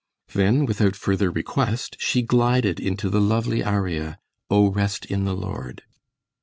Then, without further request, she glided into the lovely aria, "O Rest in the Lord."